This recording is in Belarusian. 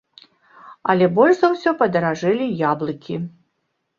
Але больш за ўсё падаражэлі яблыкі.